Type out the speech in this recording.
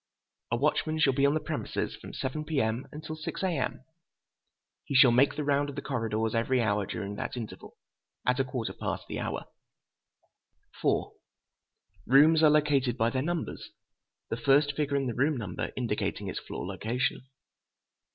A watchman shall be on the premises from 7 P.M. until 6 A.M. He shall make the round of the corridors every hour during that interval, at a quarter past the hour. Rooms are located by their numbers: the first figure in the room number indicating its floor location.